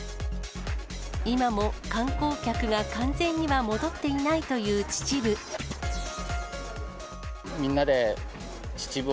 今も観光客が完全には戻っていないという秩父。